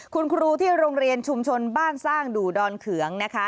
คุณครูที่โรงเรียนชุมชนบ้านสร้างดูดอนเขืองนะคะ